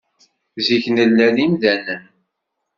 Zik, nella d imdanen.